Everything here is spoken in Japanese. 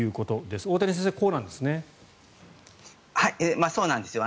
大谷先生、こうなんですね。